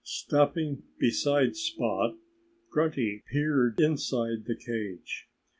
Stopping beside Spot, Grunty Pig peered inside the cage.